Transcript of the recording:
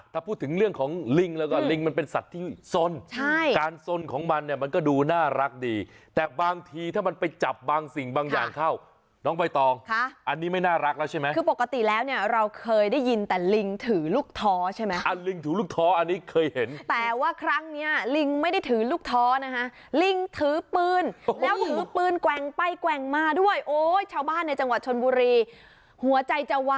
ถ้าพูดถึงเรื่องของลิงแล้วก็ลิงมันเป็นสัตว์ที่ส่วนใช่การส่วนของมันเนี่ยมันก็ดูน่ารักดีแต่บางทีถ้ามันไปจับบางสิ่งบางอย่างเข้าน้องไปต่อค่ะอันนี้ไม่น่ารักแล้วใช่ไหมคือปกติแล้วเนี่ยเราเคยได้ยินแต่ลิงถือลูกท้อใช่ไหมอันลิงถือลูกท้ออันนี้เคยเห็นแต่ว่าครั้งเนี่ยลิงไม่ได้ถือลูกท้อนะฮ